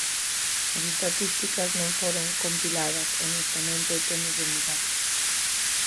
As estatísticas non foron compiladas honestamente e temos de mudar iso.